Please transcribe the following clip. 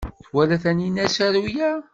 Twala Taninna asaru-a?